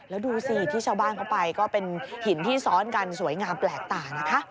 แล้วดูสิที่ชาวบ้านเขาไปก็เป็นหินที่ซ้อนกันสวยงามแปลกตานะคะ